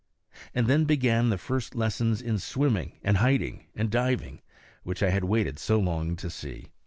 And then began the first lessons in swimming and hiding and diving, which I had waited so long to see.